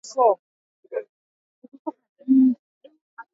ugonjwa huu huku mbu wale wengine kama vile nzi wa kuuma